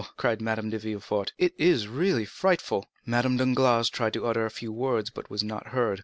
cried Madame de Villefort, "it is really frightful." Madame Danglars tried to utter a few words, but was not heard.